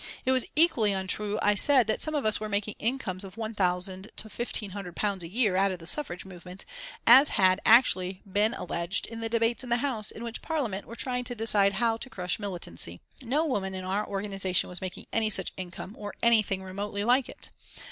It was equally untrue, I said, that some of us were making incomes of £1,000 to £1,500 a year out of the suffrage movement, as had actually been alleged in the debates in the House in which members of Parliament were trying to decide how to crush militancy. No woman in our organisation was making any such income, or anything remotely like it.